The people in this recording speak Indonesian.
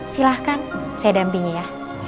silahkan saya dampingi ya